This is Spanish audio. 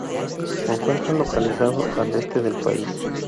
Se encuentra localizado al este del país.